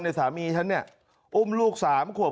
สามีฉันเนี่ยอุ้มลูก๓ขวบ